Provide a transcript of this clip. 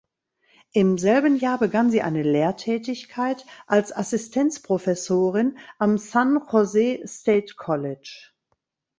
Im selben Jahr begann sie eine Lehrtätigkeit als Assistenzprofessorin am San Jose State College.